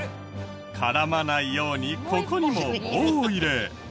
絡まないようにここにも棒を入れ。